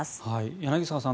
柳澤さん